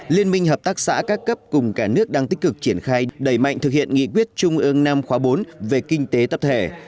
liên minh hợp tác xã các cấp cùng cả nước đang tích cực triển khai đẩy mạnh thực hiện nghị quyết trung ương năm khóa bốn về kinh tế tập thể